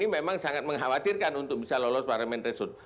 memang sangat mengkhawatirkan untuk bisa lolos parliamentary shood